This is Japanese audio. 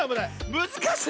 むずかしい！